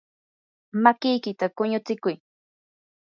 makiykita quñutsikuy.